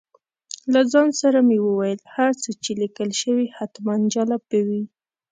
له ځان سره مې وویل هر څه چې لیکل شوي حتماً جالب به وي.